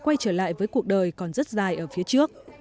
quay trở lại với cuộc đời còn rất dài ở phía trước